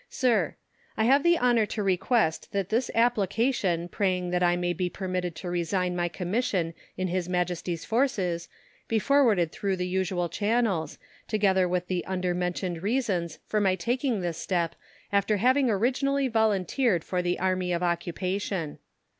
SIR, I have the honour to request that this application praying that I may be permitted to resign my Commission in His Majesty's Forces be forwarded through the usual channels, together with the undermentioned reasons for my taking this step after having originally volunteered for the Army of Occupation.